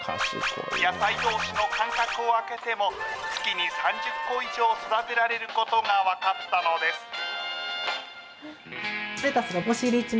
野菜どうしの間隔を空けても、月に３０個以上育てられることが分かったのです。